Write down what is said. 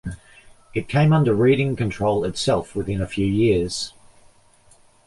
It came under Reading control itself within a few years.